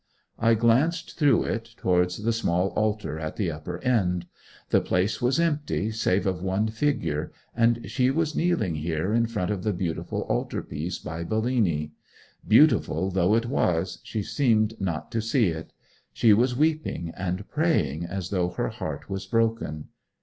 I glanced through it, towards the small altar at the upper end. The place was empty save of one figure; and she was kneeling here in front of the beautiful altarpiece by Bellini. Beautiful though it was she seemed not to see it. She was weeping and praying as though her heart was broken.